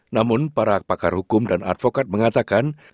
namun para pakar hukum dan advokat mengatakan